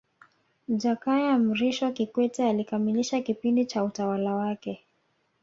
Jakaya Mrisho Kikwete alikamilisha kipindi cha utawala wake